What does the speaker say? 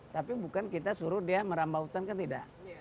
tapi bukan kita suruh dia merambah hutan kan tidak